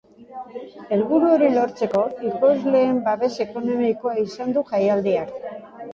Helburu hori lortzeko, ikusleen babes ekonomikoa izan du jaialdiak.